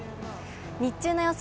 日中の予想